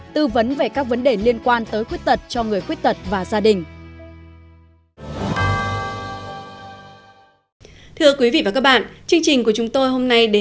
tư vấn về các vấn đề liên quan tới khuyết tật cho người khuyết tật và gia đình